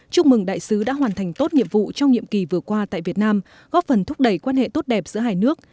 chúc mừng đại sứ đã hoàn thành tốt nhiệm vụ trong nhiệm kỳ vừa qua tại việt nam góp phần thúc đẩy quan hệ tốt đẹp giữa hai nước